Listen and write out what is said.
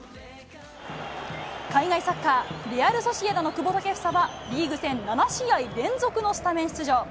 海外サッカー、レアル・ソシエダの久保建英は、リーグ戦７試合連続のスタメン出場。